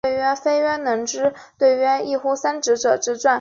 环球城市影业诉任天堂案是卡比最著名的案件之一。